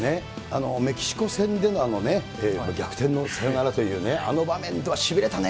メキシコ戦でのあの逆転のサヨナラというね、あの場面ではしびれたね。